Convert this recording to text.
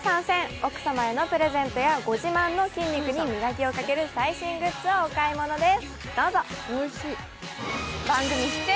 奥様へのプレゼントやご自慢の筋肉に磨きをかける最新グッズをお買い上げです。